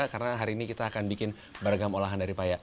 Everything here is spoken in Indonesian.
karena hari ini kita akan bikin beragam olahan dari pepaya